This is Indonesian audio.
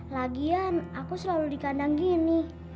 lagian aku selalu di kandang gini